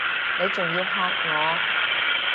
你仲要喝我！